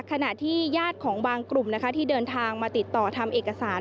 ขณะที่ญาติของบางกลุ่มนะคะที่เดินทางมาติดต่อทำเอกสาร